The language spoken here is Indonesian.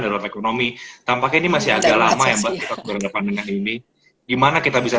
dan ekonomi tampaknya ini masih agak lama yang berdepan dengan ini gimana kita bisa